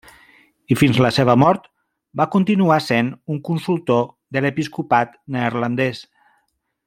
I fins a la seva mort, va continuar sent un consultor de l'episcopat neerlandès.